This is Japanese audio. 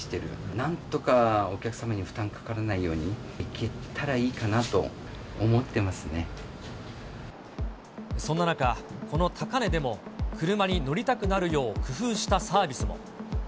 なんとかお客様に負担かからないようにいけたらいいかなと思ってそんな中、この高値でも、車に乗りたくなるよう工夫したサービスも。